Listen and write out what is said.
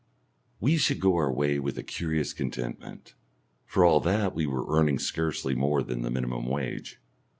We should go our way with a curious contentment, for all that we were earning scarcely more than the minimum wage.